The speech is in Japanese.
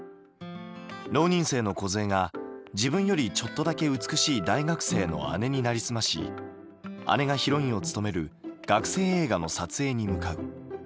浪人生の梢が自分よりちょっとだけ美しい大学生の姉になりすまし姉がヒロインを務める学生映画の撮影に向かう。